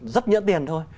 rất nhỡ tiền thôi